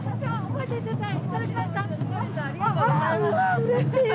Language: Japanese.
うれしい！